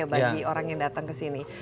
bagi orang yang datang ke sini